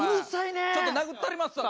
ちょっと殴ったりますわ